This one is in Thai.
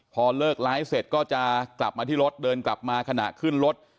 พอเลิกไลฟ์เสร็จก็จะกลับมาที่รถเดินกลับมาขณะขึ้นรถ